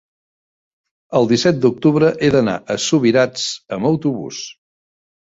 el disset d'octubre he d'anar a Subirats amb autobús.